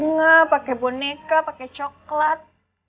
pake bunga pake boneka pake coklat